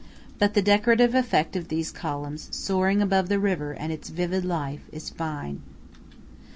But the decorative effect of these columns, soaring above the river and its vivid life, is fine.